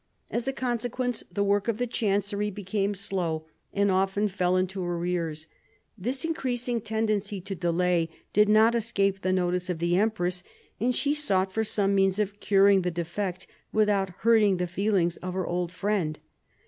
As a consequence, the work of the Chancery became slow, and often fell into arrears. This increasing tendency to delay did not escape the notice of the empress, and she sought for some means of curing the defect without hurting the feelings of her old friend.